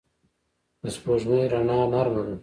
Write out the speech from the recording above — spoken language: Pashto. د سپوږمۍ رڼا نرمه ده